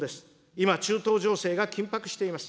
今、中東情勢が緊迫しています。